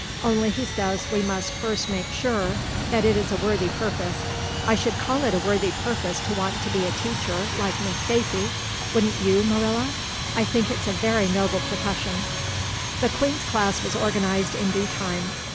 Only he says we must first make sure that it is a worthy purpose. I would call it a worthy purpose to want to be a teacher like Miss Stacy, wouldn't you, Marilla? I think it's a very noble profession." The Queen's class was organized in due time.